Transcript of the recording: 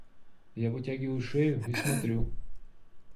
Я вытягиваю шею и смотрю.